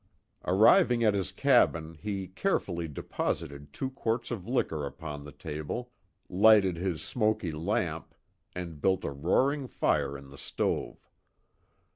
Arriving at his cabin he carefully deposited two quarts of liquor upon the table, lighted his smoky lamp, and built a roaring fire in the stove.